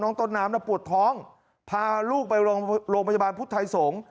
ต้นน้ำปวดท้องพาลูกไปโรงพยาบาลพุทธไทยสงฆ์